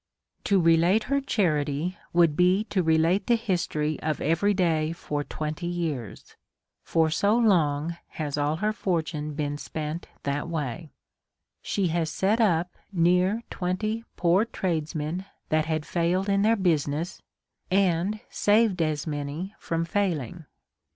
To relate her charity would be to relate the history of every day for twenty years ; for so long has all her fortune been spent that way. She has set up near ■ twenty poor tradesmen that had failed in their busii 80 A SERIOUS CALL TO A ness^ and saved as many from failing